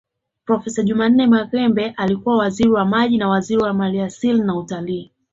Profesa Jumanne Maghembe alikuwa Waziri wa Maji na waziri wa maliasili na utalii